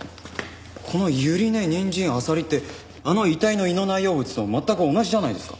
この「百合根人参アサリ」ってあの遺体の胃の内容物と全く同じじゃないですか。